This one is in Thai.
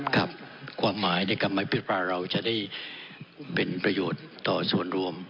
ความหมายในกรรมไม้พิษปลาเราจะได้เป็นประโยชน์ต่อส่วนรวม